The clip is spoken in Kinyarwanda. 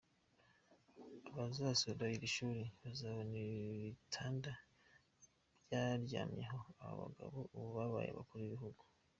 Abazasura iri shuri bazabona ibi bitanda byaryamyeho aba bagabo ubu babaye Abakuru b’Igihugu.